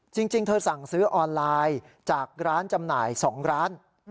จริงเธอสั่งซื้อออนไลน์จากร้านจำหน่าย๒ร้าน